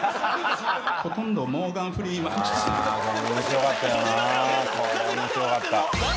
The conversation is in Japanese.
ほとんどモーガン・フリーマンすいません